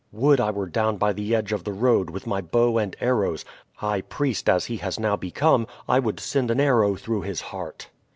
Would I were down by the edge of the road, with my bow and arrows; high priest as he has now become, I would send an arrow through his heart!"